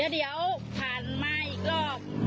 เดี๋ยวผ่านมาอีกรอบ